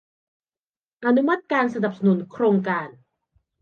อนุมัติการสนับสนุนโครงการ